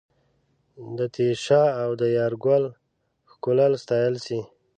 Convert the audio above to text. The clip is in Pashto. د تېشه او د یارګل ښکلل ستایل سي